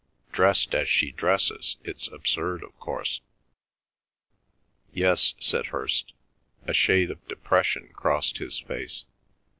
Dressed as she dresses, it's absurd, of course." "Yes," said Hirst. A shade of depression crossed his face.